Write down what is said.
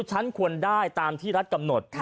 ฉันควรได้ตามที่รัฐกำหนด